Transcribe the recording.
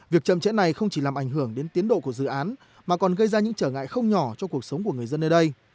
việc chậm trễ này không chỉ làm ảnh hưởng đến tiến độ của dự án mà còn gây ra những trở ngại không nhỏ cho cuộc sống của người dân ở đây